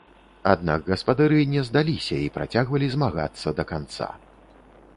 Аднак гаспадары не здаліся і працягвалі змагацца да канца.